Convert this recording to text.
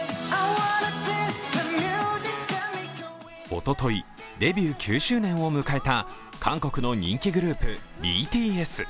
おととい、デビュー９周年を迎えた韓国の人気グループＢＴＳ。